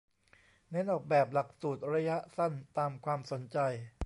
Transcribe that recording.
เน้นออกแบบหลักสูตรระยะสั้นตามความสนใจ